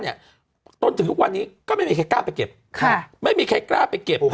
จนถึงทุกวันนี้ก็ไม่มีใครกล้าไปเก็บไม่มีใครกล้าไปเก็บ